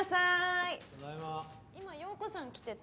今陽子さん来てて。